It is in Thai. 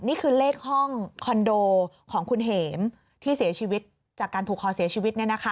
นี่คือเลขห้องคอนโดของคุณเห็มที่เสียชีวิตจากการผูกคอเสียชีวิต